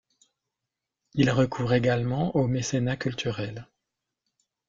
Il recourt également au mécénat culturel.